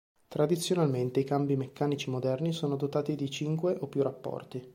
Tradizionalmente i cambi meccanici moderni sono dotati di cinque o più rapporti.